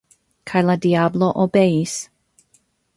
» kaj la diablo obeis.